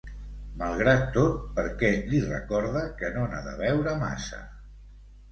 Malgrat tot, per què li recorda que no n'ha de beure massa?